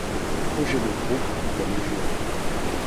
Un projet de groupe voit le jour.